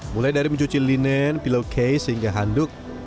mulai dari mencuci linen pillowcase hingga handuk